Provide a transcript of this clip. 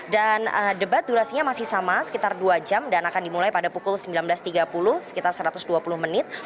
dan debat durasinya masih sama sekitar dua jam dan akan dimulai pada pukul sembilan belas tiga puluh sekitar satu ratus dua puluh menit